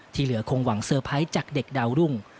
เหลือคงหวังเตอร์ไพรส์จากเด็กดาวรุ่ง